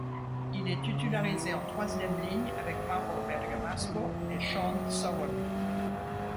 Il est titularisé en troisième ligne avec Mauro Bergamasco et Shaun Sowerby.